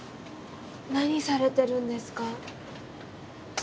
何されてるんですか？